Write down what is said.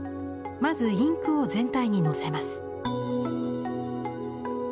まずインクを全体にのせます。